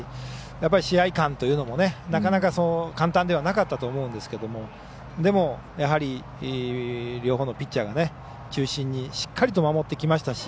試合勘というのもなかなか簡単ではなかったと思いますけどでも両方のピッチャーが中心にしっかりと守ってきましたし。